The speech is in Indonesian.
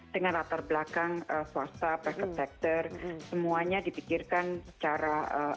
dengan latar belakang swasta pre ketector semuanya dipikirkan secara